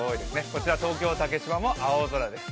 こちら東京・竹芝も青空です。